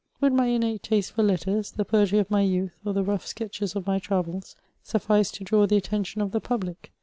Would my innate taste for letters, the poetry of my youth, oi the rough sketches of my travels, suffice to draw the attention of the public